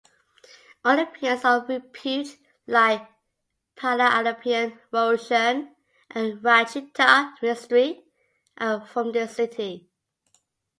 Olympians of repute like Paralympian Roshan and Rachita Mistry are from this city.